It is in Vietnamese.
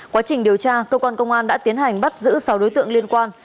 quá trình điều tra công an tp vinh đã tiến hành bắt giữ sáu đối tượng liên quan